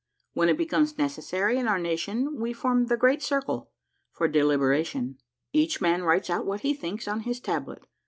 When it becomes necessary in our nation we form the Great Circle for delibera tion. Each man writes out what he thinks on his tablet.